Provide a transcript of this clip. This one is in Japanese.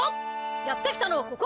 やってきたのはここ！